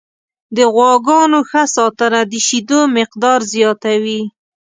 د غواګانو ښه ساتنه د شیدو مقدار زیاتوي.